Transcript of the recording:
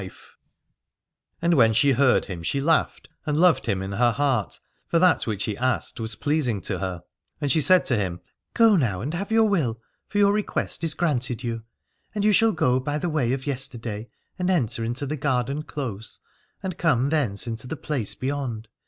280 Aladore And when she heard him she laughed and loved him in her heart, for that which he asked was pleasing to her. And she said to him : Go now and have your will, for your request is granted you. And you shall go by the way of yesterday, and enter into the garden close and come thence into the place beyond.